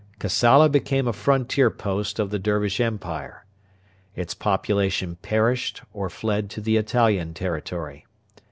Kassala became a frontier post of the Dervish Empire. Its population perished or fled to the Italian territory.